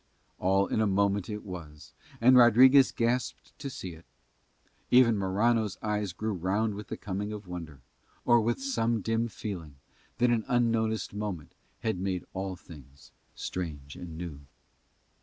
All in a moment it was, and Rodriguez gasped to see it. Even Morano's eyes grew round with the coming of wonder, or with some dim feeling that an unnoticed moment had made all things strange and new.